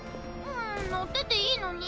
んん乗ってていいのに。